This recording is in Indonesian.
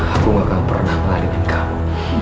aku gak akan pernah ngadiin kamu